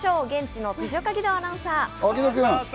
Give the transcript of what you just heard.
現地の辻岡義堂アナウンサー！